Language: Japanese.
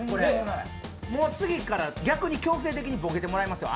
次から逆に強制的にボケてもらいますよ